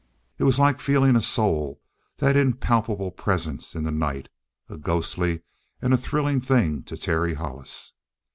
It was like feeling a soul that impalpable presence in the night. A ghostly and a thrilling thing to Terry Hollis.